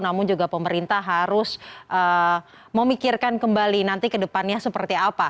namun juga pemerintah harus memikirkan kembali nanti ke depannya seperti apa